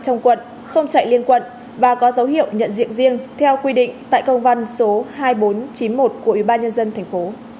trong quận không chạy liên quận và có dấu hiệu nhận diện riêng theo quy định tại công văn số hai nghìn bốn trăm chín mươi một của ủy ban nhân dân thành phố